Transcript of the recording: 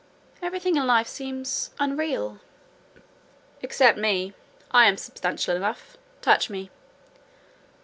Everything in life seems unreal." "Except me: I am substantial enough—touch me."